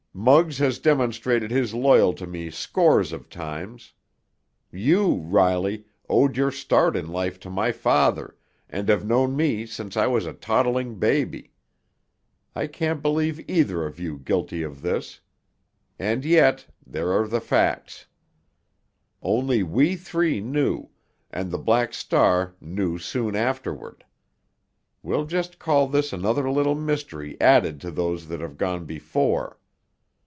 Muggs has demonstrated his loyalty to me scores of times. You, Riley, owed your start in life to my father, and have known me since I was a toddling baby. I can't believe either of you guilty of this. And yet—there are the facts. Only we three knew—and the Black Star knew soon afterward. We'll just call this another little mystery added to those that have gone before.